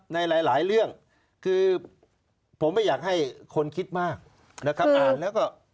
ในหลายเรื่องคือผมไม่อยากให้คนคิดมากนะครับอ่านแล้วก็